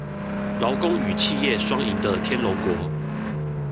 勞工與企業雙贏的天龍國